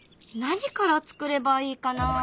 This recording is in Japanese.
何からつくればいいかな？